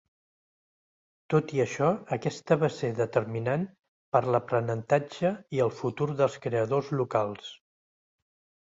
Tot i això, aquesta va ser determinant per l'aprenentatge i el futur dels creadors locals.